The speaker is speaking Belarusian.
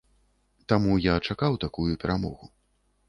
Таму я чакаў такую перамогу.